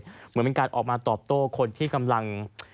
เหมือนเป็นการออกมาตอบโต้คนที่กำลัง